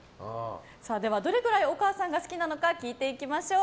では、どれぐらいお母さんが好きなのか聞いていきましょう。